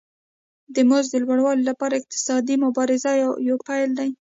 د مزد د لوړوالي لپاره اقتصادي مبارزه یو پیل دی